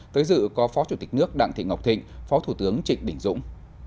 tới dự có phó chủ tịch nước đặng thị ngọc thịnh phó thủ tướng trịnh đình dũng